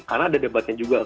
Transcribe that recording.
karena ada debatnya juga